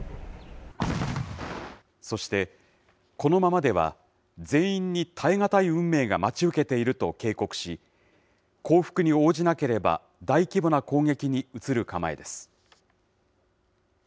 そして、このままでは全員に耐え難い運命が待ち受けていると警告し、降伏に応じなければ、大規模な攻撃に移る構えです。